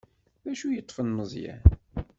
D acu i yeṭṭfen Meẓyan?